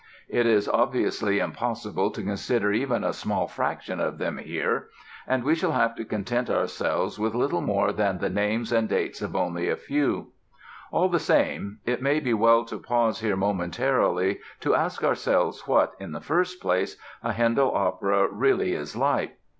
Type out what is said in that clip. It is obviously impossible to consider even a small fraction of them here and we shall have to content ourselves with little more than the names and dates of only a few. All the same, it may be well to pause here momentarily to ask ourselves what, in the first place, a Handel opera really is like.